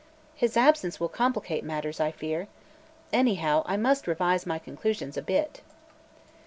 His absence will complicate matters, I fear. Anyhow, I must revise my conclusions a bit."